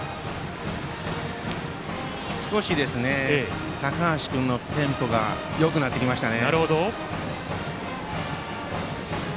少し高橋君のテンポがよくなってきましたね。